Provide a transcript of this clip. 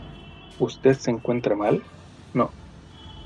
¿ usted se encuentra mal? no.